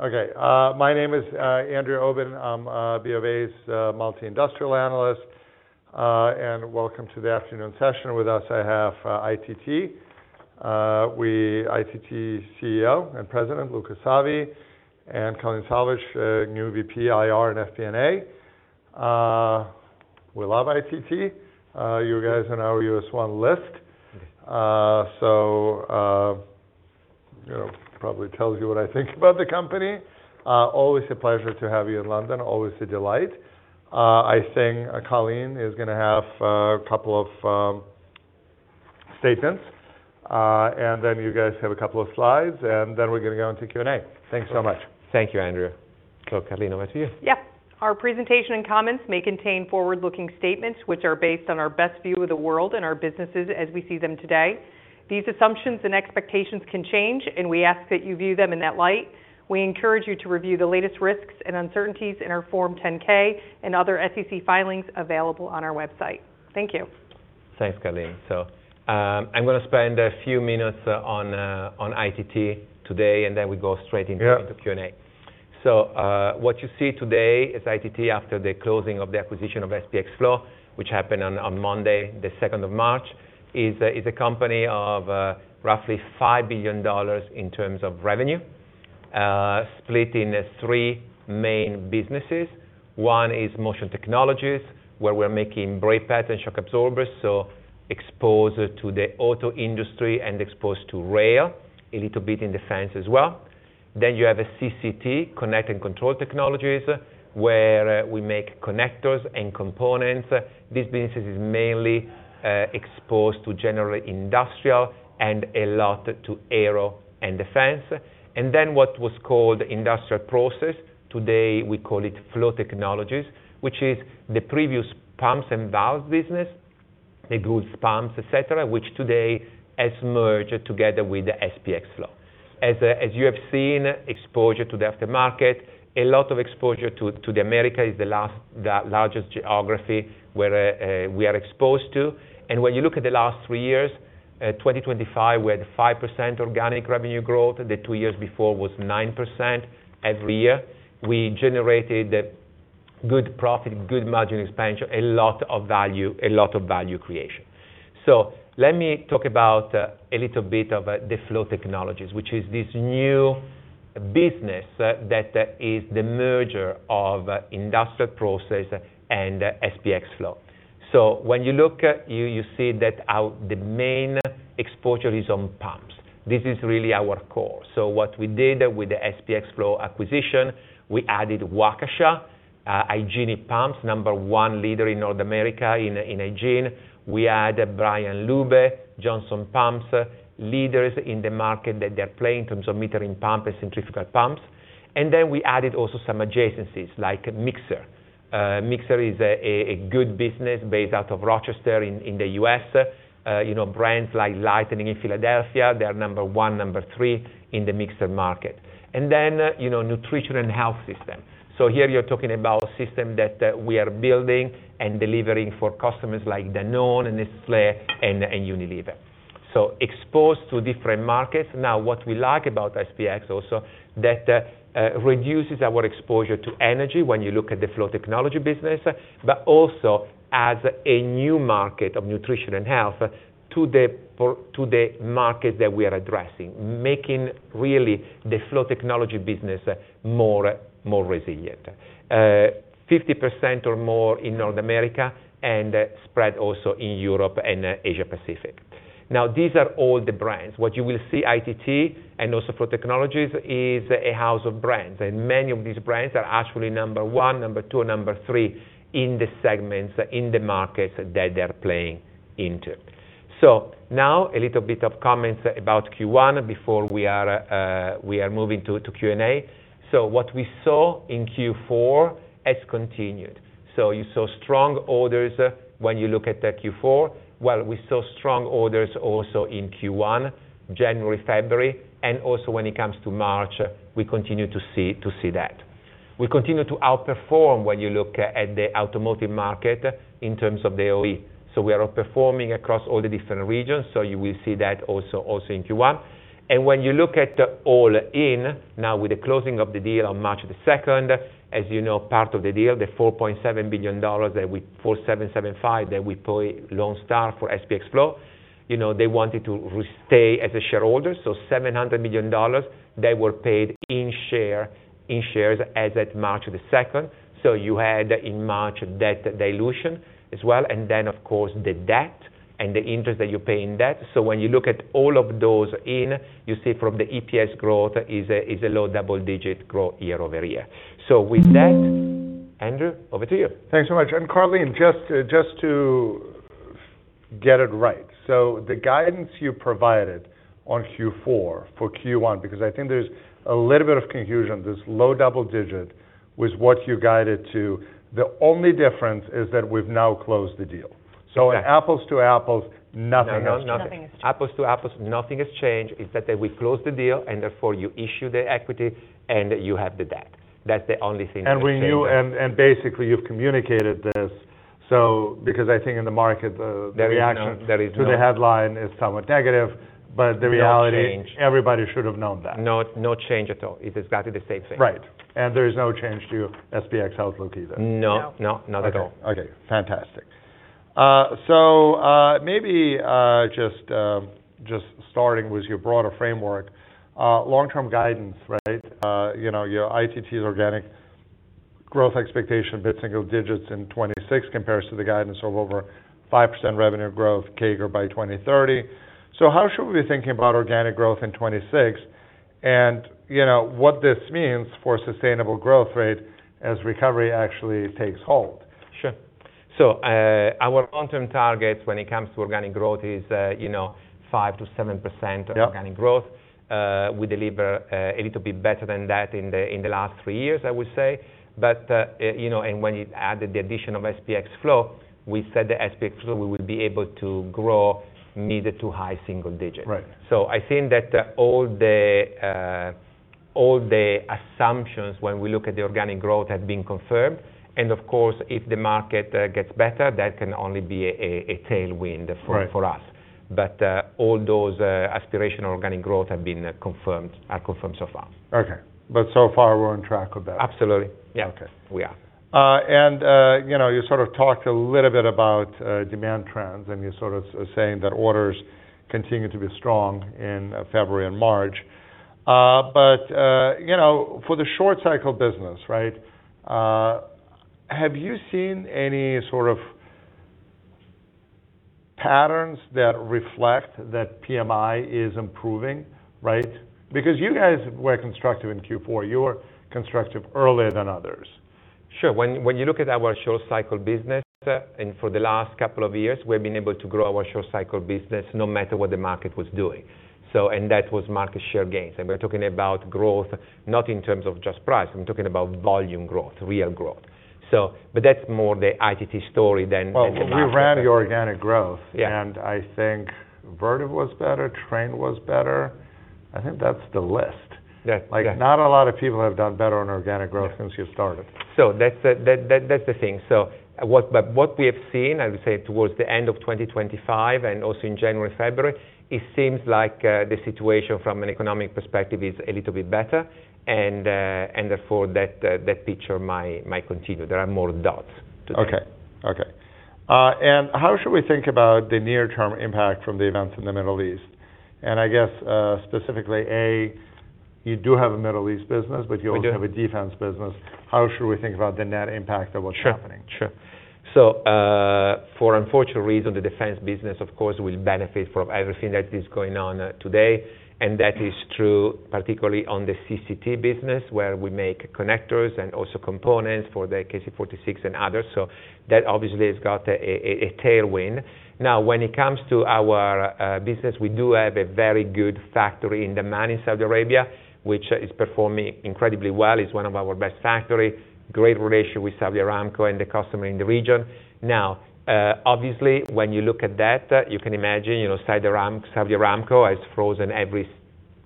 Okay. My name is Andrew Obin. I'm BofA's Multi-Industrial Analyst. Welcome to the afternoon session. With us, I have ITT. ITT CEO and President Luca Savi, and Carleen Salvage, new VP, IR and FP&A. We love ITT. You guys are on our U.S. one list. Probably tells you what I think about the company. Always a pleasure to have you in London. Always a delight. I think Carleen is gonna have a couple of statements. Then you guys have a couple of slides, and then we're gonna go into Q&A. Thanks so much. Thank you, Andrew. Carleen, over to you. Yeah. Our presentation and comments may contain forward-looking statements which are based on our best view of the world and our businesses as we see them today. These assumptions and expectations can change, and we ask that you view them in that light. We encourage you to review the latest risks and uncertainties in our Form 10-K and other SEC filings available on our website. Thank you. Thanks, Carleen. I'm gonna spend a few minutes on ITT today, and then we go straight into. Yeah into Q&A. What you see today is ITT after the closing of the acquisition of SPX FLOW, which happened on Monday, the 2nd of March. It is a company of roughly $5 billion in terms of revenue, split in three main businesses. One is Motion Technologies, where we're making brake pads and shock absorbers, so exposed to the auto industry and exposed to rail, a little bit in defense as well. You have CCT, Connect and Control Technologies, where we make connectors and components. This business is mainly exposed to general industrial and a lot to aero and defense. What was called Industrial Process, today we call it Flow Technologies, which is the previous pumps and valves business. It includes pumps, et cetera, which today has merged together with the SPX FLOW. As you have seen, exposure to the aftermarket. A lot of exposure to the Americas is the largest geography where we are exposed to. When you look at the last three years, 2025, we had 5% organic revenue growth. The two years before were 9% every year. We generated good profit, good margin expansion, a lot of value, a lot of value creation. Let me talk about a little bit of the Flow Technologies, which is this new business that is the merger of Industrial Process and SPX FLOW. When you look, you see that our main exposure is on pumps. This is really our core. What we did with the SPX FLOW acquisition, we added Waukesha hygienic pumps, number one leader in North America in hygiene. We added Bran+Luebbe, Johnson Pump, leaders in the market that they're playing in terms of metering pump and centrifugal pumps. Then we added also some adjacencies, like mixer. Mixer is a good business based out of Rochester in the US. You know, brands like Lightnin in Philadelphia, they are number one, number three in the mixer market. You know, nutrition and health system. Here you're talking about system that we are building and delivering for customers like Danone and Nestlé and Unilever. Exposed to different markets. Now, what we like about SPX also, that reduces our exposure to energy when you look at the Flow Technologies business, but also adds a new market of nutrition and health to the market that we are addressing, making really the Flow Technologies business more resilient. 50% or more in North America and spread also in Europe and Asia Pacific. These are all the brands. What you will see ITT and also Flow Technologies is a house of brands, and many of these brands are actually number one, number two, number three in the segments, in the markets that they're playing into. A little bit of comments about Q1 before we are moving to Q&A. What we saw in Q4 has continued. You saw strong orders when you look at the Q4. Well, we saw strong orders also in Q1, January, February, and also when it comes to March, we continue to see that. We continue to outperform when you look at the automotive market in terms of the OE. We are outperforming across all the different regions, so you will see that also in Q1. When you look at all in, now with the closing of the deal on March 2, as you know, part of the deal, the $4.775 billion that we pay Lone Star for SPX FLOW. You know, they wanted to retain as a shareholder, so $700 million that were paid in shares as of March 2. You had in March debt dilution as well, and then of course the debt and the interest that you pay on debt. When you look at all of those in, you see from the EPS growth is a low double-digit growth year-over-year. With that, Andrew, over to you. Thanks so much. Carleen, just to get it right. The guidance you provided on Q4 for Q1, because I think there's a little bit of confusion, this low double digit was what you guided to. The only difference is that we've now closed the deal. Yeah. In apples to apples, nothing has changed. No, no, nothing. Nothing has changed. Apples to apples, nothing has changed. It's that we closed the deal and therefore you issue the equity and you have the debt. That's the only thing that changed. We knew and basically you've communicated this, so because I think in the market. There is no. The reaction to the headline is somewhat negative, but the reality. No change. Everybody should have known that. No, no change at all. It is exactly the same thing. Right. There is no change to SPX outlook either? No. No. No, not at all. Okay. Okay, fantastic. Maybe just starting with your broader framework, long-term guidance, right? You know, ITT's organic growth expectation mid-single digits in 2026 compares to the guidance of over 5% revenue growth CAGR by 2030. How should we be thinking about organic growth in 2026? You know, what this means for sustainable growth rate as recovery actually takes hold. Sure. Our long-term targets when it comes to organic growth is, you know, 5%-7%. Yep Of organic growth. We deliver a little bit better than that in the last three years, I would say. You know, and when you add the addition of SPX FLOW, we said that SPX FLOW, we would be able to grow mid to high single digits. Right. I think that all the assumptions when we look at the organic growth have been confirmed. Of course, if the market gets better, that can only be a tailwind for us. Right. All those aspirational organic growth have been confirmed, are confirmed so far. Okay. So far, we're on track for that. Absolutely. Yeah. Okay. We are. You know, you sort of talked a little bit about demand trends, and you're sort of saying that orders continue to be strong in February and March. You know, for the short cycle business, right, have you seen any sort of patterns that reflect that PMI is improving, right? Because you guys were constructive in Q4. You were constructive earlier than others. Sure. When you look at our short cycle business, for the last couple of years, we've been able to grow our short cycle business no matter what the market was doing. That was market share gains. We're talking about growth, not in terms of just price. I'm talking about volume growth, real growth. But that's more the ITT story than the market. Well, we ran your organic growth. Yeah. I think Vertiv was better, Trane was better. I think that's the list. Yeah. Yeah. Like, not a lot of people have done better on organic growth since you started. That's the thing. What we have seen, I would say towards the end of 2025 and also in January, February, it seems like the situation from an economic perspective is a little bit better, and therefore that picture might continue. There are more doubts today. How should we think about the near-term impact from the events in the Middle East? I guess, specifically, as you do have a Middle East business- We do. You also have a defense business. How should we think about the net impact of what's happening? Sure, sure. For unfortunate reason, the defense business, of course, will benefit from everything that is going on today. That is true, particularly on the CCT business, where we make connectors and also components for the KC-46 and others. That obviously has got a tailwind. Now, when it comes to our business, we do have a very good factory in Dammam in Saudi Arabia, which is performing incredibly well. It's one of our best factory. Great relationship with Saudi Aramco and the customer in the region. Now, obviously, when you look at that, you can imagine, you know, Saudi Aramco has frozen every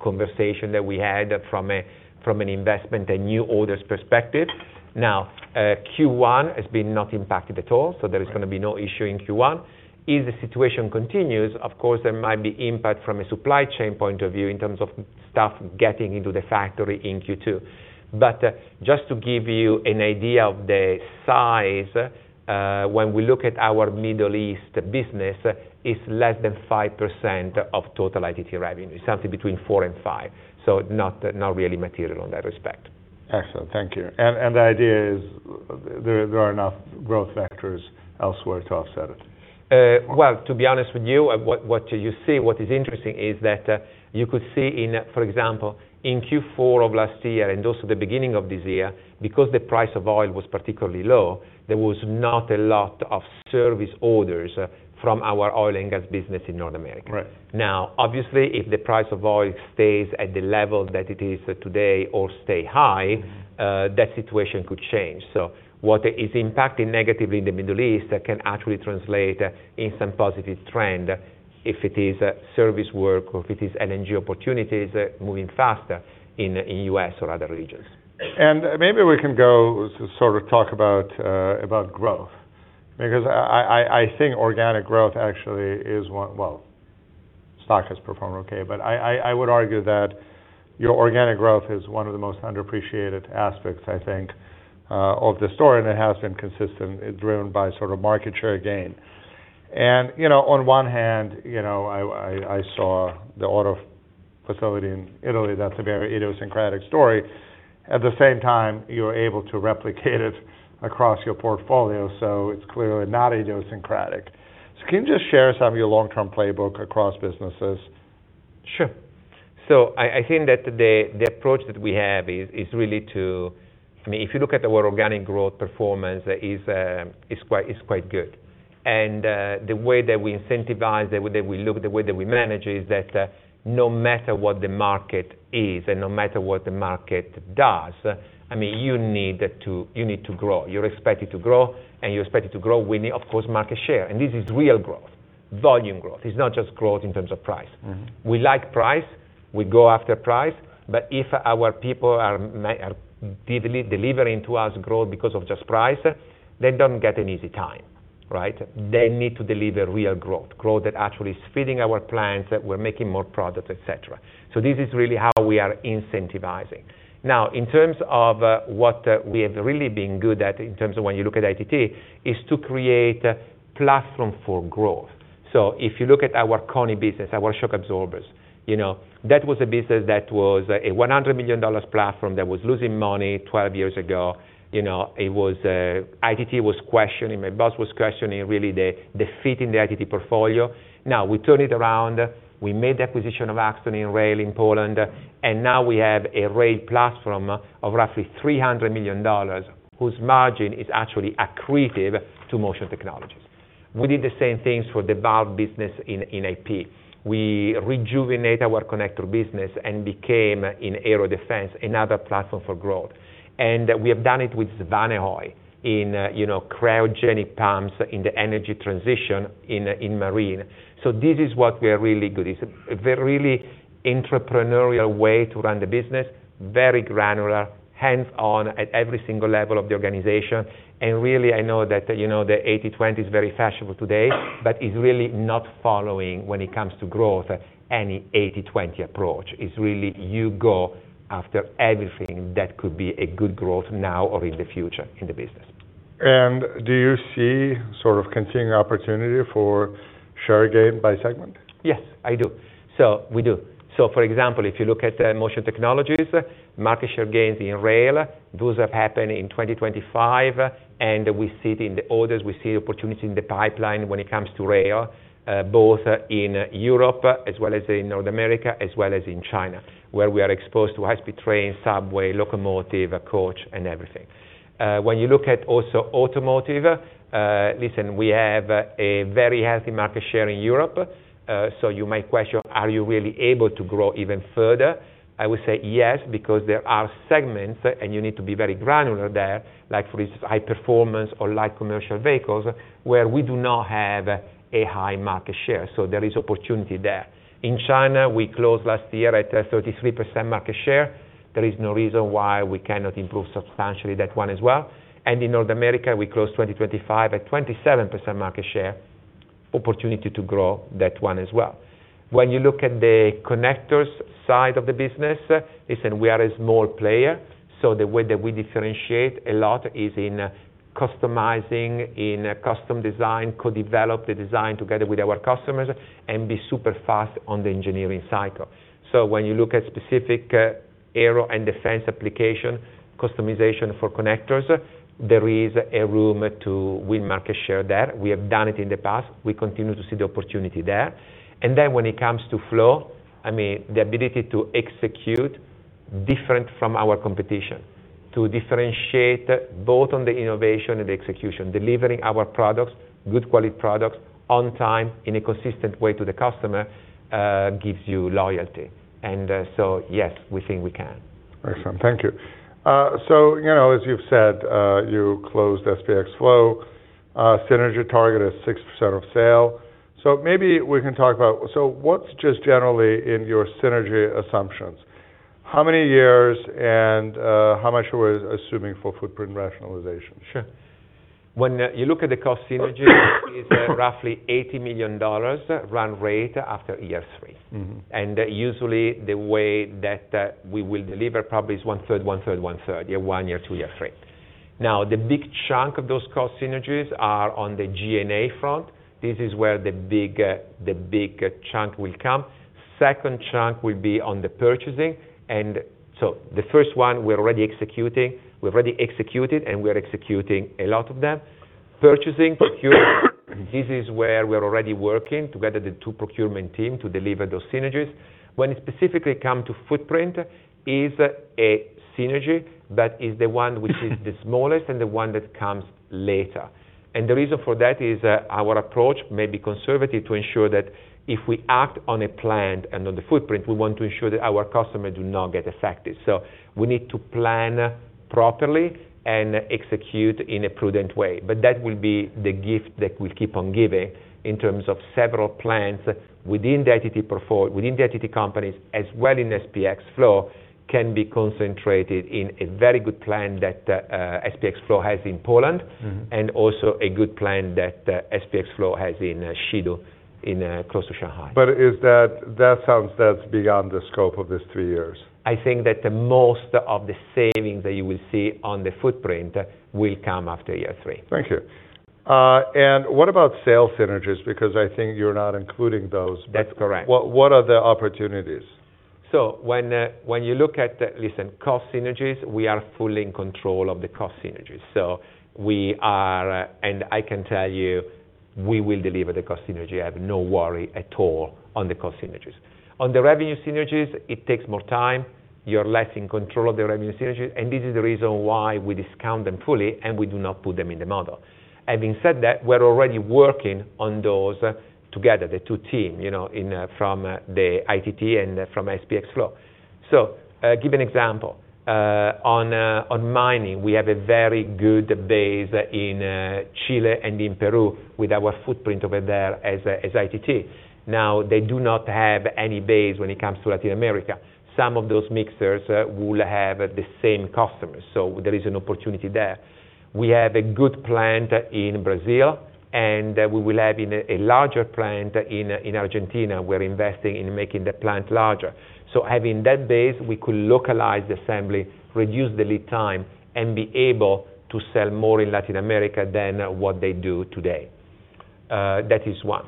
conversation that we had from an investment and new orders perspective. Now, Q1 has been not impacted at all, so there is gonna be no issue in Q1. If the situation continues, of course, there might be impact from a supply chain point of view in terms of stuff getting into the factory in Q2. Just to give you an idea of the size, when we look at our Middle East business, it's less than 5% of total ITT revenue, something between 4%-5%, so not really material in that respect. Excellent. Thank you. The idea is there are enough growth vectors elsewhere to offset it. Well, to be honest with you, what you see, what is interesting is that you could see, for example, in Q4 of last year and also the beginning of this year, because the price of oil was particularly low, there was not a lot of service orders from our oil and gas business in North America. Right. Now, obviously, if the price of oil stays at the level that it is today or stay high, that situation could change. What is impacting negatively in the Middle East can actually translate in some positive trend if it is service work or if it is LNG opportunities moving faster in U.S. or other regions. Maybe we can go sort of talk about about growth, because I think organic growth actually is one. Well, stock has performed okay, but I would argue that your organic growth is one of the most underappreciated aspects, I think, of the story, and it has been consistent. It's driven by sort of market share gain. You know, on one hand, you know, I saw the auto facility in Italy. That's a very idiosyncratic story. At the same time, you're able to replicate it across your portfolio, so it's clearly not idiosyncratic. Can you just share some of your long-term playbook across businesses? Sure. I think that the approach that we have is really. I mean, if you look at our organic growth performance is quite good. The way that we incentivize, the way that we look, the way that we manage is that no matter what the market is, and no matter what the market does, I mean, you need to grow. You're expected to grow, and you're expected to grow, winning, of course, market share, and this is real growth. Volume growth. It's not just growth in terms of price. Mm-hmm. We like price, we go after price, but if our people are delivering to us growth because of just price, they don't get an easy time, right? They need to deliver real growth that actually is feeding our clients, that we're making more products, et cetera. This is really how we are incentivizing. Now, in terms of what we have really been good at in terms of when you look at ITT, is to create platform for growth. If you look at our KONI business, our shock absorbers, you know, that was a business that was a $100 million platform that was losing money 12 years ago. You know, it was ITT was questioning, my boss was questioning really the fit in the ITT portfolio. Now, we turned it around, we made the acquisition of Axtone in rail in Poland, and now we have a rail platform of roughly $300 million whose margin is actually accretive to Motion Technologies. We did the same things for the valve business in AP. We rejuvenate our connector business and became in Aero Defense another platform for growth. We have done it with Svanehøj in, you know, cryogenic pumps in the energy transition in marine. This is what we are really good. It's a very really entrepreneurial way to run the business, very granular, hands-on at every single level of the organization, and really, I know that, you know, the 80/20 is very fashionable today, but is really not following when it comes to growth any 80/20 approach. It's really you go after everything that could be a good growth now or in the future in the business. Do you see sort of continuing opportunity for share gain by segment? Yes, I do. We do. For example, if you look at Motion Technologies, market share gains in rail, those have happened in 2025, and we see it in the orders, we see opportunity in the pipeline when it comes to rail, both in Europe as well as in North America, as well as in China, where we are exposed to high-speed trains, subway, locomotive, coach, and everything. When you look at automotive also, listen, we have a very healthy market share in Europe, so you might question, are you really able to grow even further? I would say yes, because there are segments, and you need to be very granular there, like for these high performance or light commercial vehicles, where we do not have a high market share. There is opportunity there. In China, we closed last year at 33% market share. There is no reason why we cannot improve substantially that one as well. In North America, we closed 2025 at 27% market share. Opportunity to grow that one as well. When you look at the connectors side of the business, listen, we are a small player, so the way that we differentiate a lot is in customizing, in custom design, co-develop the design together with our customers, and be super fast on the engineering cycle. When you look at specific aero and defense application, customization for connectors, there is a room to win market share there. We have done it in the past. We continue to see the opportunity there. When it comes to flow, I mean, the ability to execute different from our competition, to differentiate both on the innovation and the execution, delivering our products, good quality products, on time, in a consistent way to the customer, gives you loyalty. So yes, we think we can. Excellent. Thank you. You know, as you've said, you closed SPX FLOW synergy target at 6% of sales. Maybe we can talk about what's just generally in your synergy assumptions. How many years and how much are we assuming for footprint rationalization? Sure. When you look at the cost synergies, it's at roughly $80 million run rate after year three. Mm-hmm. Usually, the way that we will deliver probably is 1/3, 1/3, 1/3. Year one, year two, year three. Now, the big chunk of those cost synergies are on the G&A front. This is where the big chunk will come. Second chunk will be on the purchasing. The first one, we're already executing. We've already executed, and we're executing a lot of them. This is where we're already working together, the two procurement team, to deliver those synergies. When it specifically come to footprint, is a synergy that is the one which is the smallest and the one that comes later. The reason for that is, our approach may be conservative to ensure that if we act on a plan and on the footprint, we want to ensure that our customers do not get affected. We need to plan properly and execute in a prudent way. That will be the gift that will keep on giving in terms of several plans within the ITT companies, as well in SPX FLOW, can be concentrated in a very good plan that SPX FLOW has in Poland. Mm-hmm. Also a good plan that SPX FLOW has in Xidu, close to Shanghai. That sounds, that's beyond the scope of these three years. I think that the most of the savings that you will see on the footprint will come after year three. Thank you. What about sales synergies? Because I think you're not including those. That's correct. What are the opportunities? When you look at this, listen, cost synergies, we are fully in control of the cost synergies. I can tell you, we will deliver the cost synergy. I have no worry at all on the cost synergies. On the revenue synergies, it takes more time. You're less in control of the revenue synergies, and this is the reason why we discount them fully and we do not put them in the model. Having said that, we're already working on those together, the two teams, you know, from the ITT and from SPX FLOW. Give an example. On mining, we have a very good base in Chile and in Peru with our footprint over there as ITT. Now, they do not have any base when it comes to Latin America. Some of those mixers will have the same customers, so there is an opportunity there. We have a good plant in Brazil, and we will have even a larger plant in Argentina. We're investing in making the plant larger. Having that base, we could localize the assembly, reduce the lead time, and be able to sell more in Latin America than what they do today. That is one.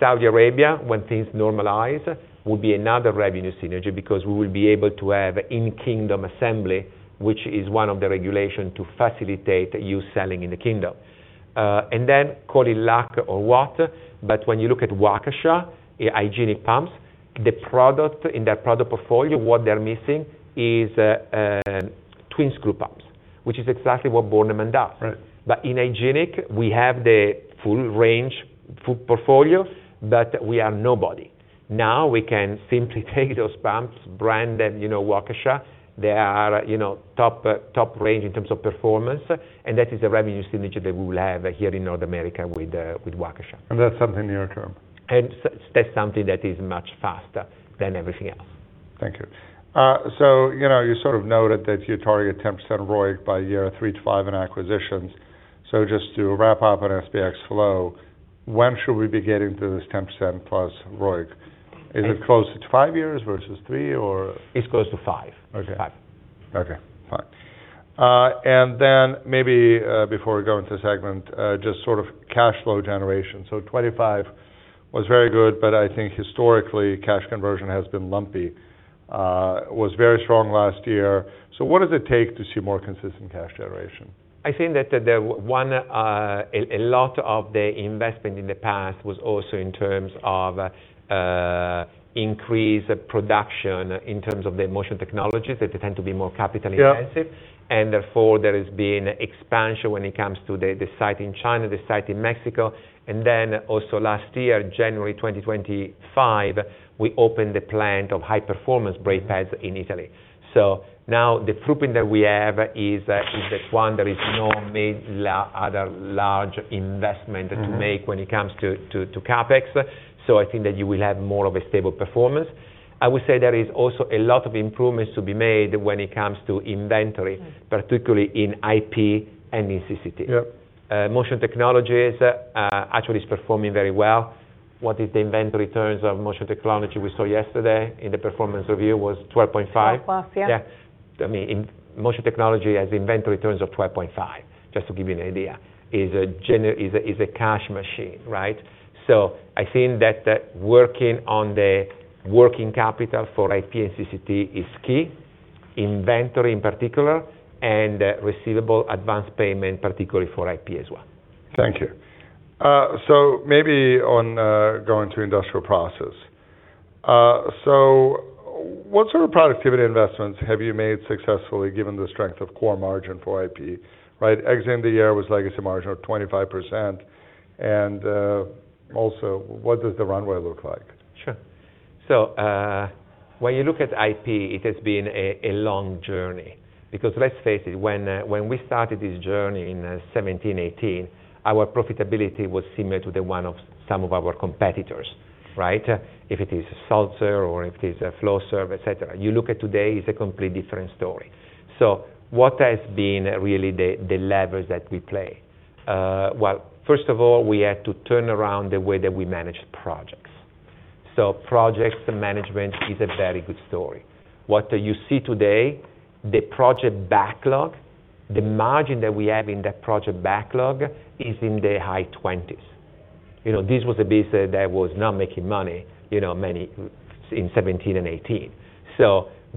Saudi Arabia, when things normalize, will be another revenue synergy because we will be able to have in-kingdom assembly, which is one of the regulation to facilitate you selling in the kingdom. Call it luck or what, but when you look at Waukesha, hygienic pumps, the product in that product portfolio, what they're missing is twin screw pumps, which is exactly what Bornemann does. Right. In hygienic, we have the full range, full portfolio, but we are nobody. Now, we can simply take those pumps, brand them, you know, Waukesha. They are, you know, top range in terms of performance, and that is a revenue synergy that we will have here in North America with Waukesha. That's something near term? That's something that is much faster than everything else. Thank you. You know, you sort of noted that you target 10% ROIC by year three to five in acquisitions. Just to wrap up on SPX FLOW, when should we be getting to this 10%+ ROIC? Is it close to five years versus three, or? It's close to five. Okay. Five. Okay, fine. Maybe before we go into the segment, just sort of cash flow generation. 2025 was very good, but I think historically, cash conversion has been lumpy, was very strong last year. What does it take to see more consistent cash generation? I think a lot of the investment in the past was also in terms of increase production in terms of the Motion Technologies that they tend to be more capital intensive. Yeah. Therefore, there has been expansion when it comes to the site in China, the site in Mexico, and then also last year, January 2025, we opened a plant of high-performance brake pads in Italy. Now the footprint that we have is the one. There is no major other large investment. Mm-hmm to make when it comes to CapEx. I think that you will have more of a stable performance. I would say there is also a lot of improvements to be made when it comes to inventory, particularly in IP and in CCT. Yep. Motion Technologies actually is performing very well. The inventory turns of Motion Technologies we saw yesterday in the performance review was 12.5. 12 plus, yeah. Yeah. I mean, in Motion Technologies has inventory terms of 12.5, just to give you an idea, is a cash machine, right? I think that, working on the working capital for IP and CCT is key, inventory in particular, and receivables and advance payments, particularly for IP as well. Thank you. Maybe going to Industrial Process. What sort of productivity investments have you made successfully given the strength of core margin for IP, right? Exit in the year was legacy margin of 25%. Also, what does the runway look like? Sure. When you look at IP, it has been a long journey because let's face it, when we started this journey in 2017, 2018, our profitability was similar to the one of some of our competitors, right? If it is Sulzer or if it is a Flowserve, et cetera. You look at today, it's a completely different story. What has been really the levers that we play? Well, first of all, we had to turn around the way that we manage projects. Projects management is a very good story. What you see today, the project backlog, the margin that we have in that project backlog is in the high 20s%. You know, this was a business that was not making money, you know, many in 2017 and 2018.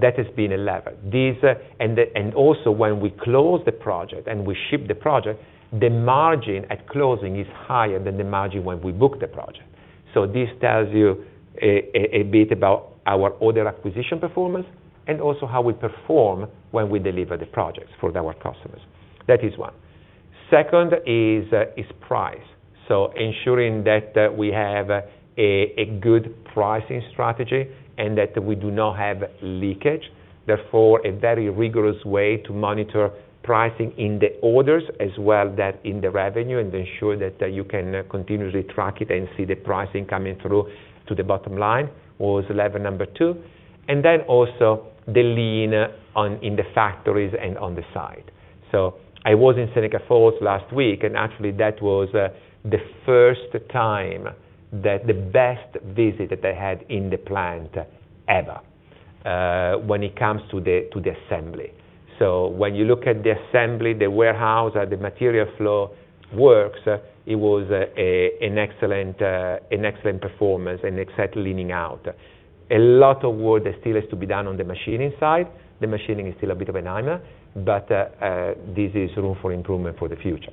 That has been a lever. when we close the project and we ship the project, the margin at closing is higher than the margin when we book the project. This tells you a bit about our order acquisition performance and also how we perform when we deliver the projects for our customers. That is one. Second is price. Ensuring that we have a good pricing strategy and that we do not have leakage. Therefore, a very rigorous way to monitor pricing in the orders as well as in the revenue and ensure that you can continuously track it and see the pricing coming through to the bottom line was lever number two. Then also the lean in the factories and on the side. I was in Seneca Falls last week, and actually that was the best visit that I had in the plant ever, when it comes to the assembly. When you look at the assembly, the warehouse, the material flow works, it was an excellent performance and excellent leaning out. A lot of work still has to be done on the machining side. The machining is still a bit of a nightmare, but there's room for improvement for the future.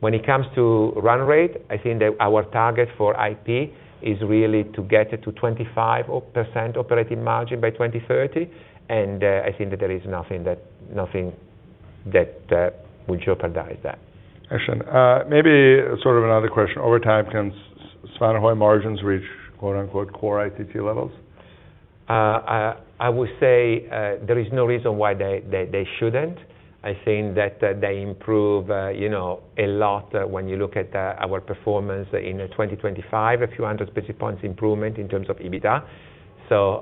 When it comes to run rate, I think that our target for IP is really to get it to 25% operating margin by 2030, and I think that there is nothing that would jeopardize that. Excellent. Maybe sort of another question. Over time, can Svanehøj margins reach quote unquote core IP levels? I would say there is no reason why they shouldn't. I think that they improve, you know, a lot when you look at our performance in 2025, a few hundred basis points improvement in terms of EBITDA.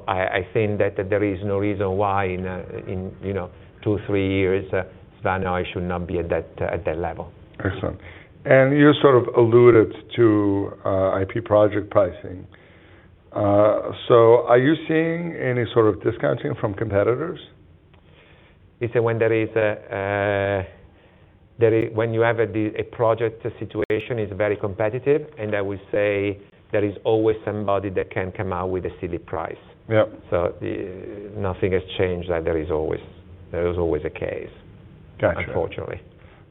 I think that there is no reason why in, you know, two to three years, Svanehøj should not be at that level. Excellent. You sort of alluded to IP project pricing. Are you seeing any sort of discounting from competitors? It's when there is a project, the situation is very competitive, and I would say there is always somebody that can come out with a silly price. Yep. Nothing has changed. Like, there is always a case. Gotcha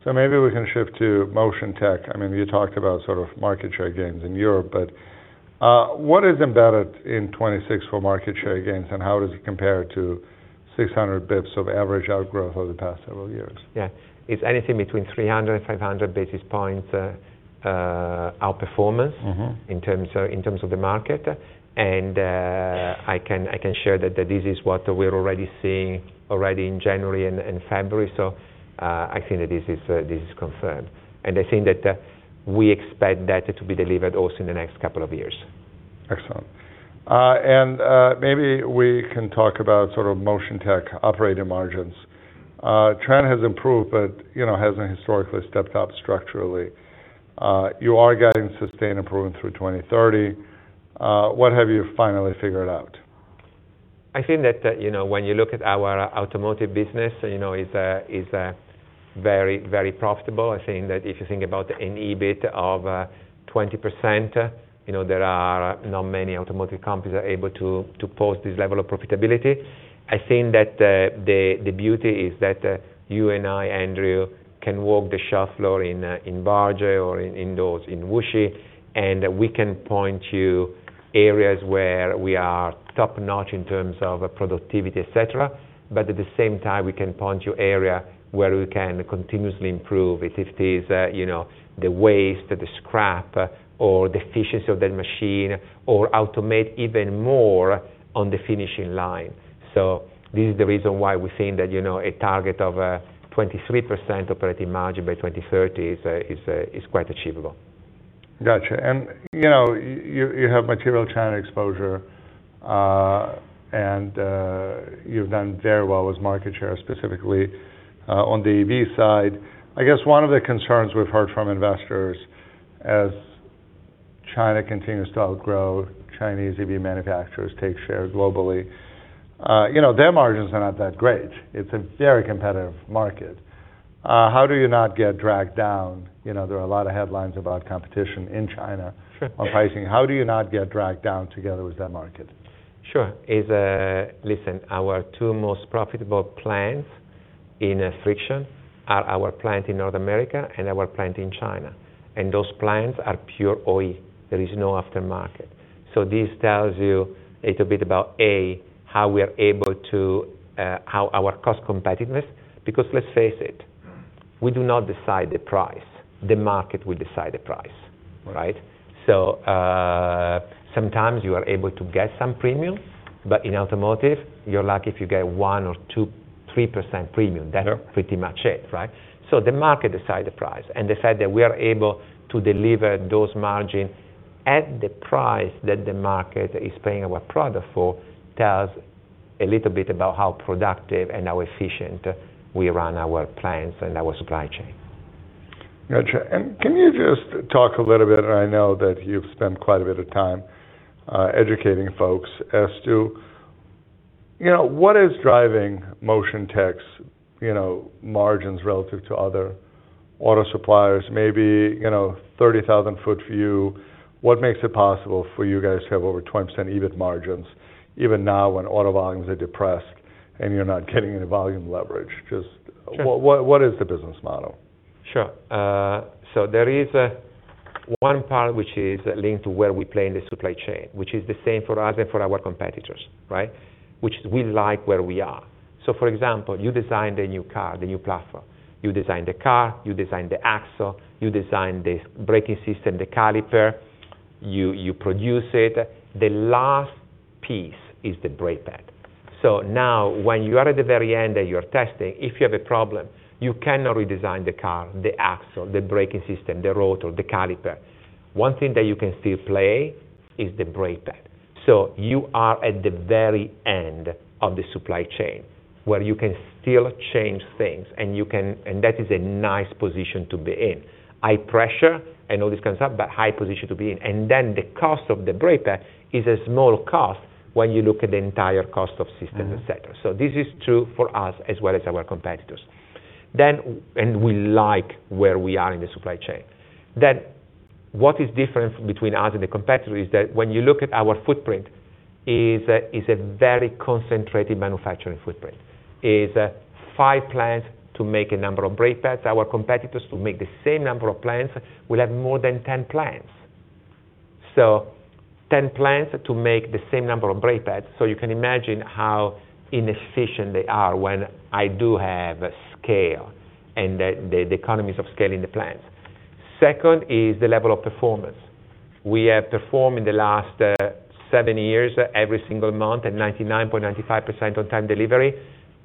Unfortunately. Maybe we can shift to Motion Tech. I mean, you talked about sort of market share gains in Europe, but, what is embedded in 2026 for market share gains, and how does it compare to 600 basis points of average outgrowth over the past several years? Yeah. It's anything between 300 and 500 basis points, outperformance. Mm-hmm In terms of the market. I can share that this is what we're already seeing in January and February. I think that this is confirmed. I think that we expect that to be delivered also in the next couple of years. Excellent. Maybe we can talk about sort of Motion Technologies operating margins. Trend has improved, but, you know, hasn't historically stepped up structurally. You are guiding sustained improvement through 2030. What have you finally figured out? I think that, you know, when you look at our automotive business, you know, it's very, very profitable. I think that if you think about an EBIT of 20%, you know, there are not many automotive companies are able to post this level of profitability. I think that the beauty is that you and I, Andrew, can walk the shop floor in Barge or in Wuxi, and we can point to areas where we are top-notch in terms of productivity, et cetera. At the same time, we can point to area where we can continuously improve, if it is, you know, the waste, the scrap, or the efficiency of the machine or automate even more on the finishing line. This is the reason why we think that, you know, a target of 23% operating margin by 2030 is quite achievable. Gotcha. You know, you have material China exposure, and you've done very well with market share specifically on the EV side. I guess one of the concerns we've heard from investors as Chinese EV manufacturers take share globally. You know, their margins are not that great. It's a very competitive market. How do you not get dragged down? You know, there are a lot of headlines about competition in China on pricing. How do you not get dragged down together with that market? Sure. Listen, our two most profitable plants in friction are our plant in North America and our plant in China, and those plants are pure OE. There is no aftermarket. This tells you a little bit about, A, how our cost competitiveness, because let's face it. Mm We do not decide the price. The market will decide the price, right? Sometimes you are able to get some premium, but in automotive, you're lucky if you get 1 or 2, 3% premium. Sure. That's pretty much it, right? The market decides the price and decides that we are able to deliver those margins at the price that the market is paying for our product tells a little bit about how productive and how efficient we run our plants and our supply chain. Gotcha. Can you just talk a little bit, and I know that you've spent quite a bit of time educating folks as to, you know, what is driving Motion Technologies', you know, margins relative to other auto suppliers, maybe, you know, 30,000-foot view, what makes it possible for you guys to have over 20% EBIT margins even now when auto volumes are depressed and you're not getting any volume leverage? Sure. What is the business model? Sure. There is one part which is linked to where we play in the supply chain, which is the same for us and for our competitors, right? Which we like where we are. For example, you design the new car, the new platform. You design the car, you design the axle, you design the braking system, the caliper, you produce it. The last piece is the brake pad. Now when you are at the very end and you're testing, if you have a problem, you cannot redesign the car, the axle, the braking system, the rotor, the caliper. One thing that you can still play is the brake pad. You are at the very end of the supply chain where you can still change things and you can and that is a nice position to be in. High pressure and all this kind of stuff, but high position to be in. The cost of the brake pad is a small cost when you look at the entire cost of systems, et cetera. Mm. This is true for us as well as our competitors. We like where we are in the supply chain. What is different between us and the competitors is that when you look at our footprint, it is a very concentrated manufacturing footprint. Five plants to make a number of brake pads. Our competitors who make the same number of brake pads will have more than 10 plants. 10 plants to make the same number of brake pads, so you can imagine how inefficient they are when we do have scale and the economies of scale in the plants. Second is the level of performance. We have performed in the last 7 years, every single month at 99.95% on-time delivery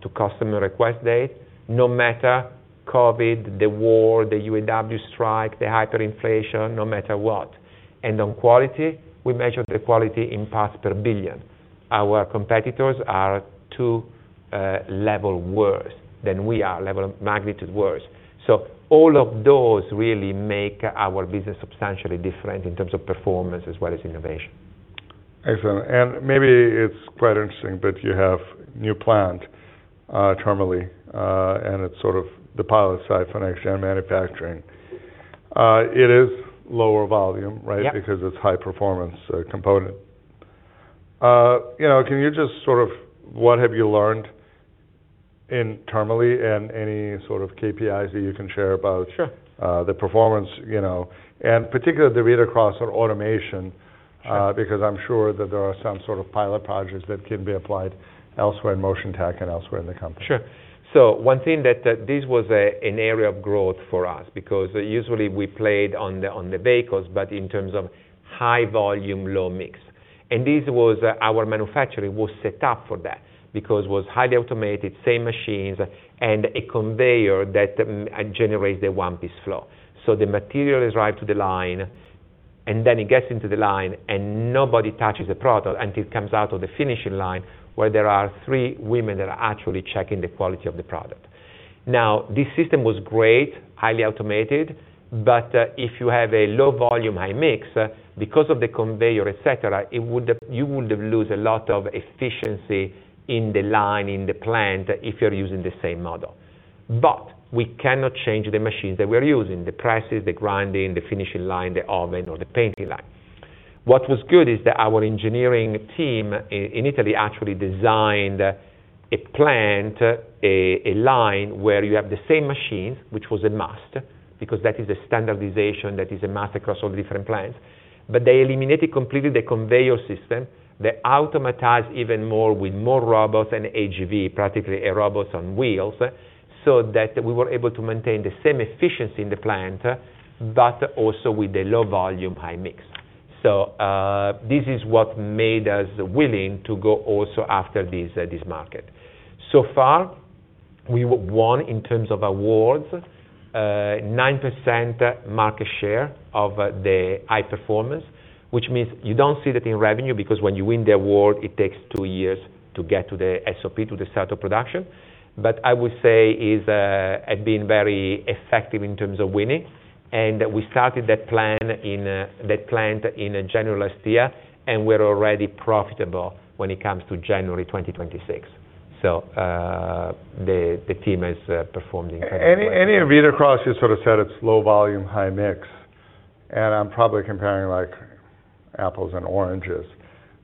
to customer request date, no matter COVID, the war, the UAW strike, the hyperinflation, no matter what. On quality, we measure the quality in parts per billion. Our competitors are two levels worse than we are, orders of magnitude worse. All of those really make our business substantially different in terms of performance as well as innovation. Excellent. Maybe it's quite interesting, but you have new plant, Termoli, and it's sort of the pilot site for next-gen manufacturing. It is lower volume, right? Yeah. Because it's high performance component. You know, can you just sort of, what have you learned internally, and any sort of KPIs that you can share about- Sure the performance, you know, and particularly the read-across or automation. Sure Because I'm sure that there are some sort of pilot projects that can be applied elsewhere in Motion Technologies and elsewhere in the company. Sure. One thing that this was an area of growth for us, because usually we played on the vehicles, but in terms of high volume, low mix. This was our manufacturing set up for that because it was highly automated, same machines, and a conveyor that generates a one-piece flow. The material is right to the line, and then it gets into the line, and nobody touches the product until it comes out of the finishing line, where there are three women that are actually checking the quality of the product. Now, this system was great, highly automated, but if you have a low volume, high mix, because of the conveyor, et cetera, you would have lost a lot of efficiency in the line, in the plant, if you're using the same model. We cannot change the machines that we're using, the presses, the grinding, the finishing line, the oven, or the painting line. What was good is that our engineering team in Italy actually designed a plant, a line where you have the same machine, which was a must, because that is a standardization that is a must across all different plants. They eliminated completely the conveyor system. They automated even more with more robots and AGV, practically a robots on wheels, so that we were able to maintain the same efficiency in the plant, but also with a low volume, high mix. This is what made us willing to go also after this market. So far, we won in terms of awards 9% market share of the high performance, which means you don't see that in revenue, because when you win the award, it takes two years to get to the SOP, to the start of production. I would say we have been very effective in terms of winning. We started that plant in January last year, and we're already profitable when it comes to January 2026. The team has performed incredibly well. Any read-across, you sort of said it's low volume, high mix, and I'm probably comparing like apples and oranges.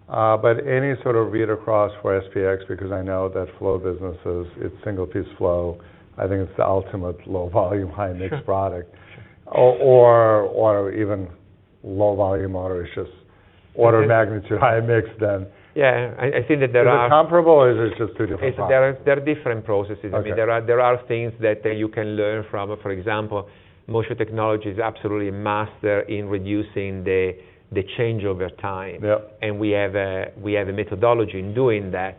Any sort of read-across for SPX, because I know that flow businesses, it's single piece flow. I think it's the ultimate low volume, high mix product. Sure. Even low volume, or it's just order of magnitude, high mix, then. Yeah. I think that there are Is it comparable, or is it just two different products? They're different processes. Okay. I mean, there are things that you can learn from. For example, Motion Technologies is absolutely a master in reducing the changeover time. Yep. We have a methodology in doing that,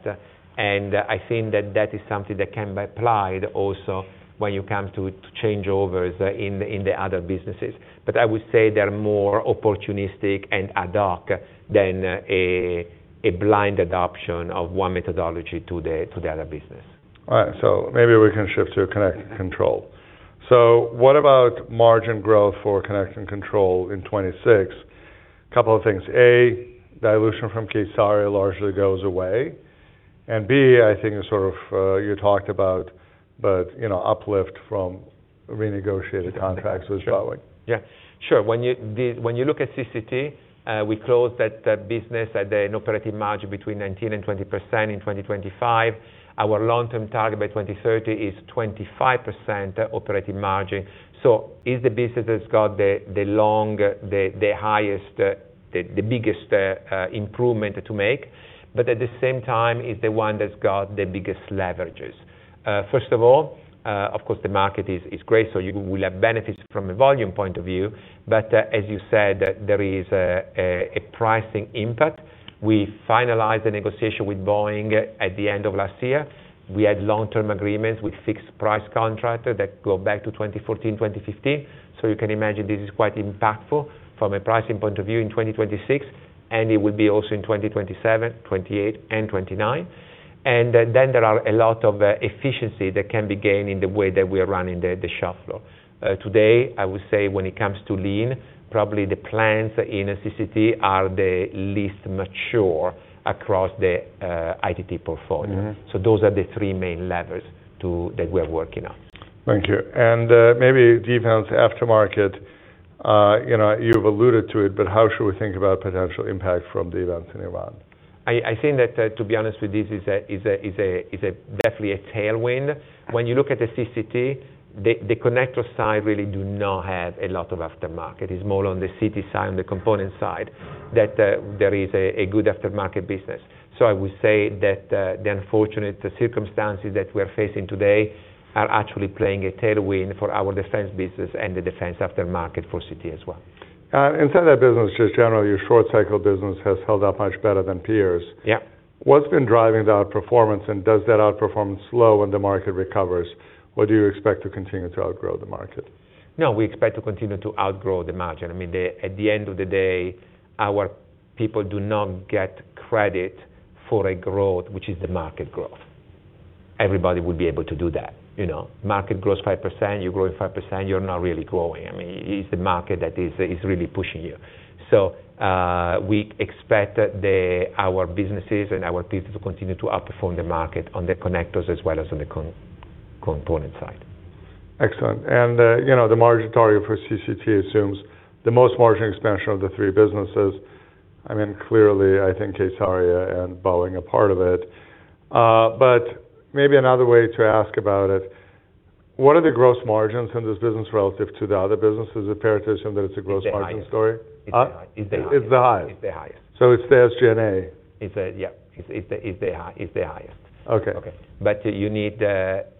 and I think that is something that can be applied also when you come to changeovers in the other businesses. I would say they're more opportunistic and ad hoc than a blind adoption of one methodology to the other business. All right. Maybe we can shift to Connect and Control. What about margin growth for Connect and Control in 2026? A couple of things. A, dilution from Kais-AIR largely goes away, and B, I think sort of you talked about but, you know, uplift from renegotiated contracts was probably. Yeah. Sure. When you look at CCT, we closed that business at an operating margin between 19% and 20% in 2025. Our long-term target by 2030 is 25% operating margin. It's the business that's got the longest, the highest, the biggest improvement to make, but at the same time, it's the one that's got the biggest leverages. First of all, of course, the market is great, so you will have benefits from a volume point of view. As you said, there is a pricing impact. We finalized the negotiation with Boeing at the end of last year. We had long-term agreements with fixed price contractor that go back to 2014, 2015. You can imagine this is quite impactful from a pricing point of view in 2026, and it will be also in 2027, 2028, and 2029. Then there are a lot of efficiency that can be gained in the way that we are running the shop floor. Today, I would say when it comes to lean, probably the plants in CCT are the least mature across the ITT portfolio. Mm-hmm. Those are the three main levers that we are working on. Thank you. Maybe defense aftermarket, you know, you've alluded to it, but how should we think about potential impact from the events in Iran? I think that, to be honest with this, is definitely a tailwind. When you look at the CCT, the connector side really do not have a lot of aftermarket. It's more on the CT side, on the component side that there is a good aftermarket business. I would say that the unfortunate circumstances that we're facing today are actually playing a tailwind for our defense business and the defense aftermarket for CT as well. Inside that business, just generally, your short cycle business has held up much better than peers. Yeah. What's been driving the outperformance, and does that outperformance slow when the market recovers? Or do you expect to continue to outgrow the market? No, we expect to continue to outgrow the market. I mean, at the end of the day, our people do not get credit for a growth which is the market growth. Everybody would be able to do that. You know, market grows 5%, you're growing 5%, you're not really growing. I mean, it's the market that is really pushing you. So, we expect our businesses and our people to continue to outperform the market on the connectors as well as on the control component side. Excellent. You know, the margin target for CCT assumes the most margin expansion of the three businesses. I mean, clearly, I think Kais-AIR and Boeing are part of it. Maybe another way to ask about it. What are the gross margins in this business relative to the other businesses? Is the paradigm that it's a gross margin story? It's the highest. Huh? It's the highest. It's the highest. It's the highest. It's the SG&A? Yeah. It's the highest. Okay. Okay. You need,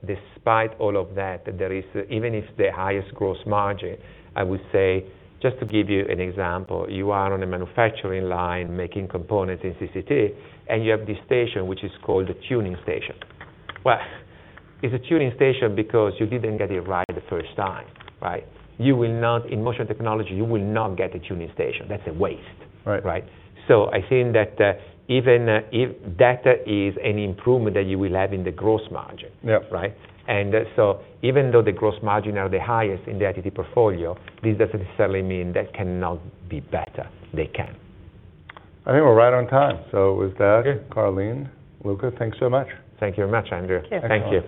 despite all of that, there is, even if the highest gross margin, I would say, just to give you an example, you are on a manufacturing line making components in CCT, and you have this station which is called the tuning station. Well, it's a tuning station because you didn't get it right the first time, right? In Motion Technologies, you will not get a tuning station. That's a waste. Right. Right? I think that, even if that is an improvement that you will have in the gross margin. Yeah Right? Even though the gross margins are the highest in the ITT portfolio, this doesn't necessarily mean that they cannot be better. They can. I think we're right on time. With that. Okay Carleen, Luca, thanks so much. Thank you very much, Andrew. Thank you. Thank you.